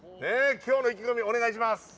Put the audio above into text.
きょうの意気込み、お願いします。